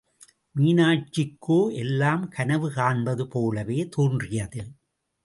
மீனாட்சிக்கோ எல்லாம் கனவு காண்பது போலவே தோன்றியது.